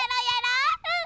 うん！